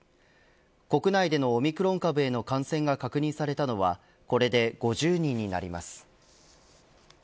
国内でのオミクロン株への感染が確認されたのはこれで５０人になります。